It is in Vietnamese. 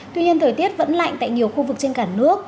tuy nhiên thời tiết vẫn lạnh tại nhiều khu vực trên cả nước